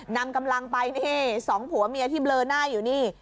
นำกำลังไปนี่สองผัวเมียที่เบลอหน้าอยู่นี่